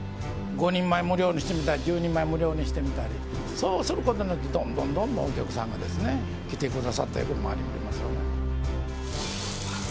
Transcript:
５人前無料にしてみたり、１０人前無料にしてみたり、そうすることによって、どんどんどんどんお客さんが来てくださってるところもありますよね。